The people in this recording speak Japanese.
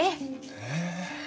へえ。